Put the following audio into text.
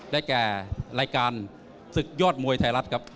แก่รายการศึกยอดมวยไทยรัฐครับ